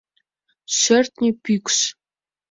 ШӦРТНЬӦ ПӰКШ